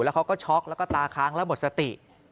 แล้วเขาก็ช็อกแล้วก็ตาค้างแล้วหมดสติ